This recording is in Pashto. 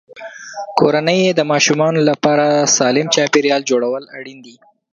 کورنۍ کې د ماشومانو لپاره سالم چاپېریال جوړول اړین دي.